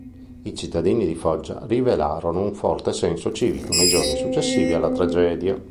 I cittadini di Foggia rivelarono un forte senso civico nei giorni successivi alla tragedia.